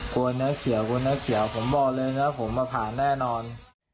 คนน้าเขียวคนน้าเขียวผมบอกเลยนะครับผมมาผ่านแน่นอน